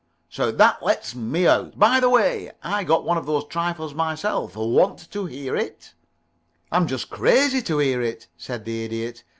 So that lets me out. By the way, I got one of these trifles myself. Want to hear it?" "I am just crazy to hear it," said the Idiot.